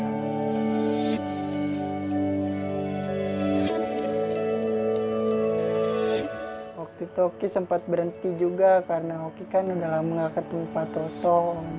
waktu itu oki sempat berhenti juga karena oki kan udah lama gak ketemu pak toto